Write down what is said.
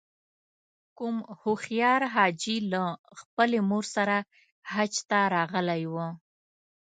کوم هوښیار حاجي له خپلې مور سره حج ته راغلی و.